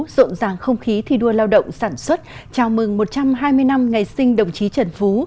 rộn ràng không khí thi đua lao động sản xuất chào mừng một trăm hai mươi năm ngày sinh đồng chí trần phú